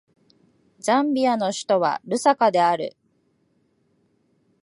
ザンビアの首都はルサカである